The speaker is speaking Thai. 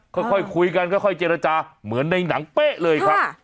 ค่อยคุยกันค่อยเจรจาเหมือนในหนังเป๊ะเลยครับ